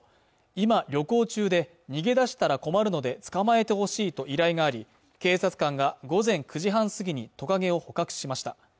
今旅行中で逃げ出したら困るので捕まえてほしいと依頼があり警察官が午前９時半過ぎにトカゲを捕獲しました